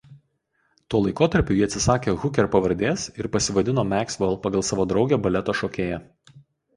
Tuo laikotarpiu ji atsisakė Hooker pavardės ir pasivadino Maxwell pagal savo draugę baleto šokėją.